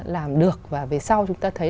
làm được và về sau chúng ta thấy